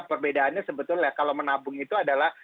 perbedaannya sebetulnya kalau menabung itu adalah